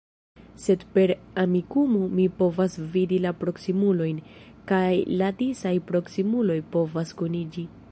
Sed per Amikumu mi povas vidi la proksimulojn, kaj la disaj proksimuloj povas kuniĝi.